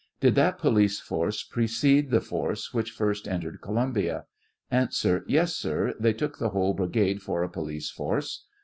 Did that police force precede the force which first entered Columbia ? A. Yes, sir ; they took the whole brigade for a police force.